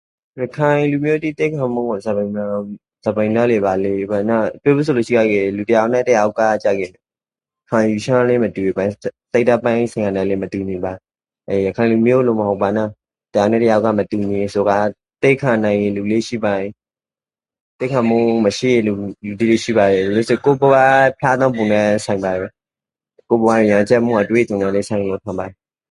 အမျိုးတိအနီနက်သည်းခံမှုကိုဇာပိုင်နားလည်ပါလေး